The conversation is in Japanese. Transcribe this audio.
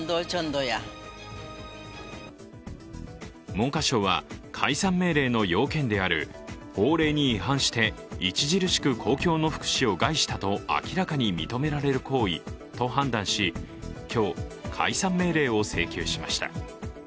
文科省は解散命令の要件である法令に違反して著しく公共の福祉を害したと明らかに認められる行為と判断し、今日解散命令を請求しました。